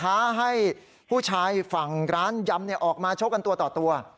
ท้าให้ผู้ชายฝั่งร้านยำออกมาชกกันตัวต่อตัว